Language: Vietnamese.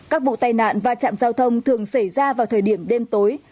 các vụ tai nạn và chạm giao thông thường xảy ra vào thời điểm đêm tối